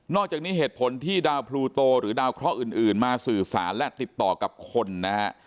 อกจากนี้เหตุผลที่ดาวพลูโตหรือดาวเคราะห์อื่นมาสื่อสารและติดต่อกับคนนะฮะ